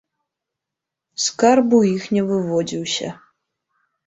Скарб у іх не выводзіўся.